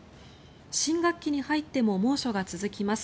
新学期に入っても猛暑が続きます。